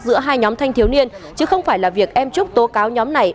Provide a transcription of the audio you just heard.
giữa hai nhóm thanh thiếu niên chứ không phải là việc em trúc tố cáo nhóm này